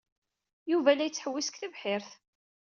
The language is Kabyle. Yuba la yettḥewwis deg tebḥirt.